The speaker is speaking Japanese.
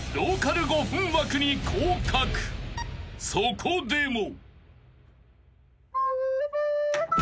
［そこでも］